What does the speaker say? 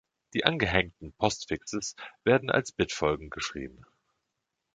Die angehängten Postfixes werden als Bitfolgen geschrieben.